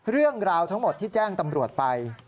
เรื่องราวทั้งหมดที่แจ้งตำรวจไป